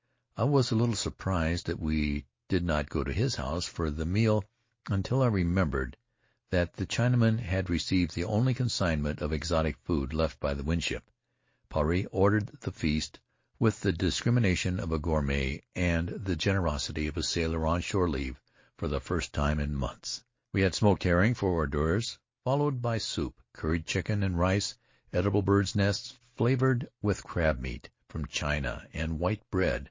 I was a little surprised that we did not go to his house for the meal until I remembered that the Chinaman had received the only consignment of exotic food left by the Winship. Puarei ordered the feast with the discrimination of a gourmet and the generosity of a sailor on shore leave for the first time in months. We had smoked herring for hors d'cBUvre, fol lowed by soup, curried chicken and rice, edible birds' nests flavored with crab meat, from China, and white bread.